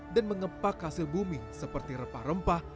dan mengempak hasil bumi seperti rempah rempah